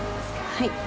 はい。